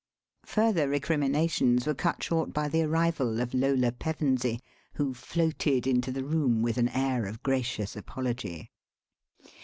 Further recriminations were cut short by the arrival of Lola Pevensey, who floated into the room with an air of gracious apology.